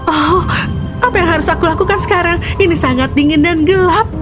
oh apa yang harus aku lakukan sekarang ini sangat dingin dan gelap